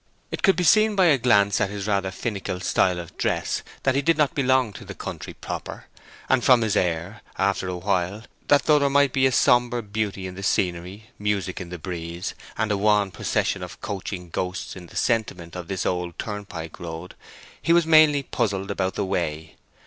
It could be seen by a glance at his rather finical style of dress that he did not belong to the country proper; and from his air, after a while, that though there might be a sombre beauty in the scenery, music in the breeze, and a wan procession of coaching ghosts in the sentiment of this old turnpike road, he was mainly puzzled about the way.